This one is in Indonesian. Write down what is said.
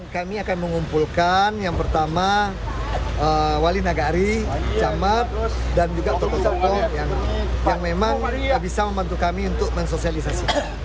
kami akan mengumpulkan yang pertama wali nagari camat dan juga tokoh tokoh yang memang bisa membantu kami untuk mensosialisasikan